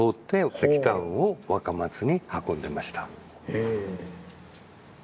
へえ。